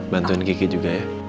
bantuin gigi juga ya